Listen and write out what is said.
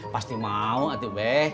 pasti mau atuh be